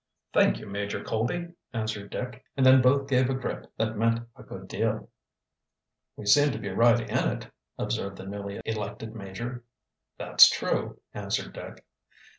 "Thank you, Major Colby," answered Dick, and then both gave a grip that meant a good deal. "We seem to be right in it," observed the newly elected major. "That's true," answered Dick.